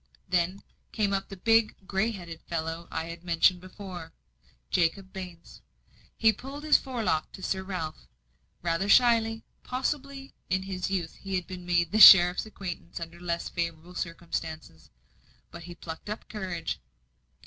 Then came up the big, grey headed fellow I have before mentioned Jacob Baines. He pulled his fore lock to Sir Ralph, rather shyly; possibly in his youth he had made the sheriff's acquaintance under less favourable circumstances. But he plucked up courage.